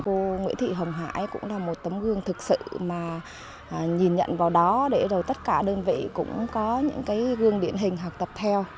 cô nguyễn thị hồng hải cũng là một tấm gương thực sự mà nhìn nhận vào đó để rồi tất cả đơn vị cũng có những gương điển hình học tập theo